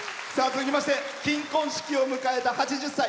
続きまして金婚式を迎えた８０歳。